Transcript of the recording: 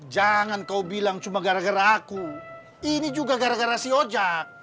jangan kau bilang cuma gara gara aku ini juga gara gara si oja